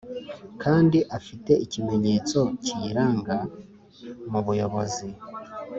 kandi afite ikimenyetso kiyaranga m’Ubuyobozi.